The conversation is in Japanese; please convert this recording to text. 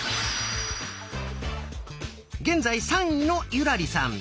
現在３位の優良梨さん。